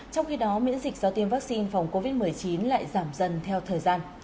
trong khi đó miễn dịch do tiêm vaccine phòng covid một mươi chín lại giảm dần theo thời gian